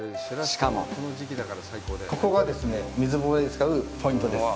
しかもここがですね水風呂で使うポイントです。